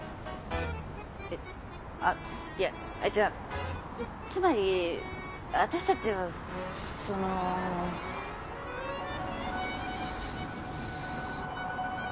えっあいやじゃあつまり私たちはそのふふ。